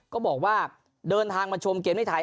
ก็บอกว่าเดินทางมาชมเกมที่ไทย